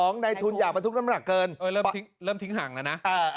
๒ในทุนอยากมาทุกข์น้ำหนักเกิน